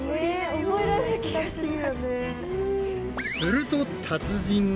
すると達人が。